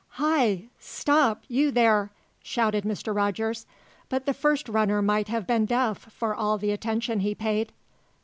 "Hi! Stop, you there!" shouted Mr. Rogers; but the first runner might have been deaf, for all the attention he paid.